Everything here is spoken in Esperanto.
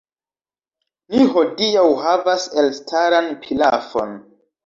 Ni hodiaŭ havas elstaran pilafon!